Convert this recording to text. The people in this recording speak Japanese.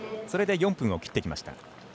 それで４分を切っていきました。